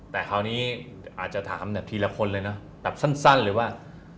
แต่คราวนี้อาจจะถามแบบทีละคนเลยนะแบบสั้นเลยว่า